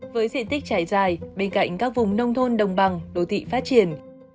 với diện tích trải dài bên cạnh các vùng nông thôn đồng bằng đồ thị phát triển